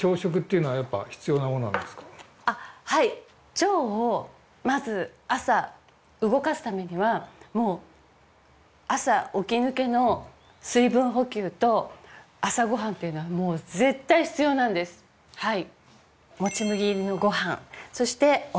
腸をまず朝動かすためには朝起き抜けの水分補給と朝ご飯っていうのはもう絶対必要なんですはい。